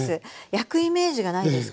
焼くイメージがないですか？